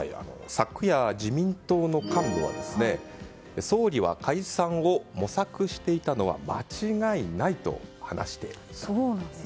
昨夜、自民党の幹部は総理は解散を模索していたのは間違いないと話していたんです。